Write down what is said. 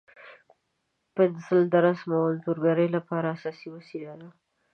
پنسل د رسم او انځورګرۍ لپاره اساسي وسیله ده.